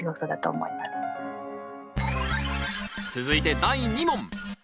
続いて第２問。